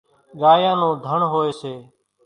ڳايان نون ڌڻ هوئيَ سي۔